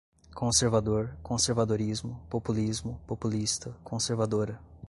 Conservador, conservadorismo, populismo, populista, conservadora